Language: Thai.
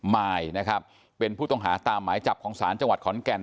มายนะครับเป็นผู้ต้องหาตามหมายจับของศาลจังหวัดขอนแก่น